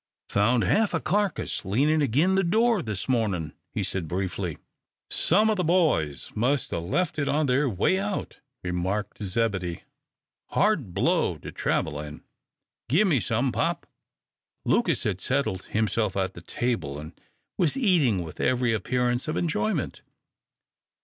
"Found half a carcass leanin' agin the door this mornin'," he said, briefly. "Some o' the boys must 'a' left it on their way out," remarked Zebedee. "Hard blow to travel in. Gimme some, pop." Lucas had settled himself at the table, and was eating with every appearance of enjoyment.